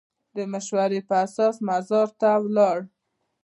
د مشورې په اساس مزار ته ولاړ.